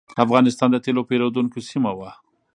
افغانستان د تېلو پېرودونکو سیمه وه.